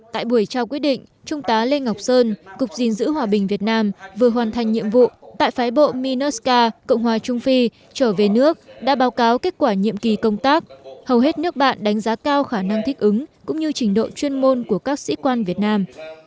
tại buổi trao quyết định trung tá lê ngọc sơn cục dình dữ hòa bình việt nam vừa hoàn thành nhiệm vụ tại phái bộ minusca cộng hòa trung phi trở về nước đã báo cáo kết quả nhiệm kỳ công tác hầu hết nước bạn đánh giá cao khả năng thích ứng cũng như trình độ chuyên môn của các sĩ quan việt nam